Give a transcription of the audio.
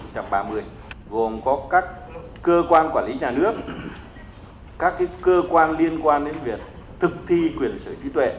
gồm có các cơ quan quản lý nhà nước các cơ quan liên quan đến việc thực thi quyền sở hữu trí tuệ